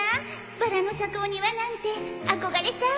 バラの咲くお庭なんて憧れちゃう！